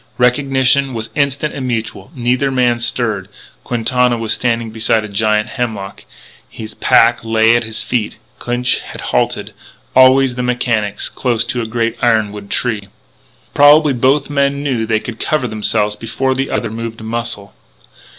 Recognition was instant and mutual. Neither man stirred. Quintana was standing beside a giant hemlock. His pack lay at his feet. Clinch had halted always the mechanics! close to a great ironwood tree. Probably both men knew that they could cover themselves before the other moved a muscle.